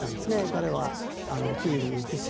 彼はキーウに行くし。